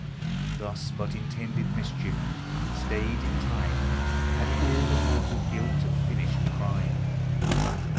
Thus but intended mischief, stayed in time, Had all the mortal guilt of finished crime.